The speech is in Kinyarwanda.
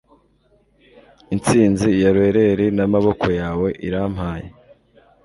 intsinzi ya laurel n'amaboko yawe irampaye